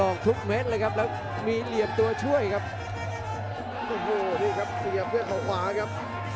โอ้โหนี่ครับเสียบด้วยข่าวขวาครับ